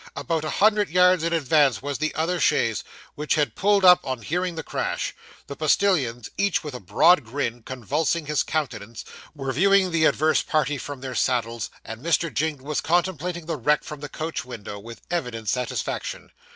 About a hundred yards in advance was the other chaise, which had pulled up on hearing the crash. The postillions, each with a broad grin convulsing his countenance, were viewing the adverse party from their saddles, and Mr. Jingle was contemplating the wreck from the coach window, with evident satisfaction.